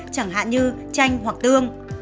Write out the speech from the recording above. chẳng hạn như chanh hoặc tương